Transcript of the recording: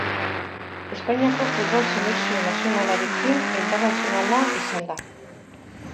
Espainiako futbol selekzio nazionalarekin internazionala izan da.